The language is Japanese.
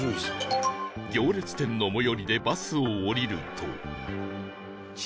行列店の最寄りでバスを降りると